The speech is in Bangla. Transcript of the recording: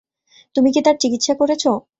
তুমি কি তার চিকিৎসা করেছ?